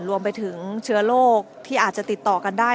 รวมไปถึงเชื้อโรคที่อาจจะติดต่อกันได้